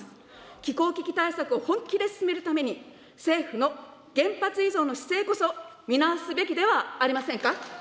気候危機対策を本気で進めるために、政府の原発依存の姿勢こそ、見直すべきではありませんか。